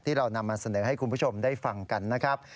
เรานำมาเสนอให้คุณผู้ชมได้ฟังกันนะครับ